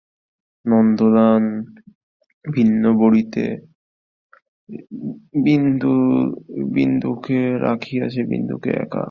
নন্দলাল ভিন্ন বড়িতে বিন্দুকে রাখিয়াছে, বিন্দুকে একা।